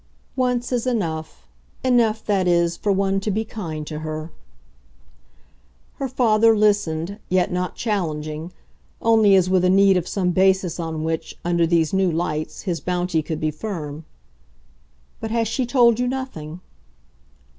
"Once is enough. Enough, that is, for one to be kind to her." Her father listened, yet not challenging only as with a need of some basis on which, under these new lights, his bounty could be firm. "But has she told you nothing?"